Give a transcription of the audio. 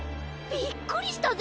びっくりしたぜ。